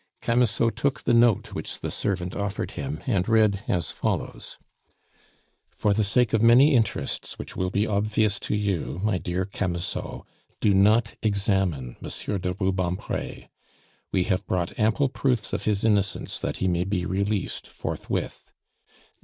Camusot took a note which the servant offered him, and read as follows: "For the sake of many interests which will be obvious to you, my dear Camusot, do not examine Monsieur de Rubempre. We have brought ample proofs of his innocence that he may be released forthwith.